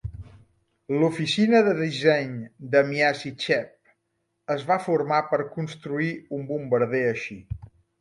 L'oficina de disseny de Myasishchev es va formar per construir un bombarder així.